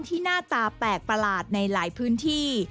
หน้าตาแปลกประหลาดในหลายพื้นที่